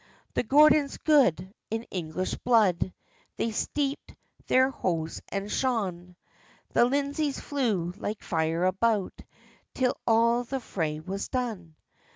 The Gordons good, in English blood, They steepd their hose and shoon; The Lindesays flew like fire about, Till all the fray was done.